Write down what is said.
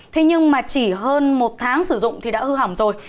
thế nhưng mà chỉ hơn một tháng sử dụng thì đã hư hỏng rồi